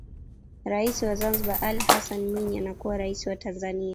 Rais wa Zanzibar Ali Hassan Mwinyi anakuwa Rais wa Tanzania